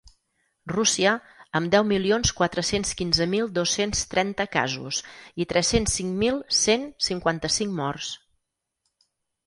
Rússia, amb deu milions quatre-cents quinze mil dos-cents trenta casos i tres-cents cinc mil cent cinquanta-cinc morts.